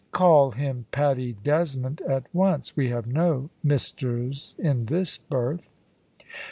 "Call him Paddy Desmond at once. We have no misters in this berth."